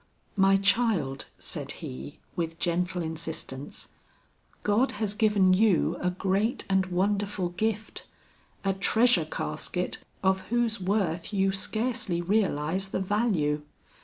"My child," said he, with gentle insistence, "God has given you a great and wonderful gift, a treasure casket of whose worth you scarcely realize the value.